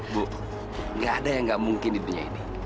bu gak ada yang gak mungkin di dunia ini